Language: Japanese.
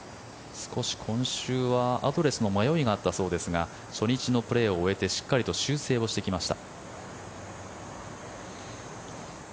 少し今週はアドレスの迷いがあったそうですが初日のプレーを終えてしっかり修正してきました。